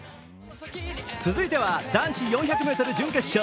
続いては男子４００ｍ準決勝。